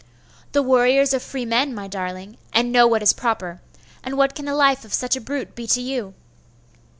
'The warriors are free men, my darling, and know what is proper. And what can the life of such a brute be to you?